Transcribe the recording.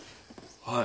はい。